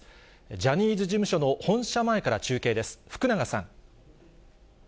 ジャニーズ事務所の本社前から中継です。